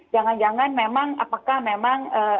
jangan jangan memang apakah memang